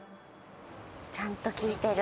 ちゃんと聞いてる。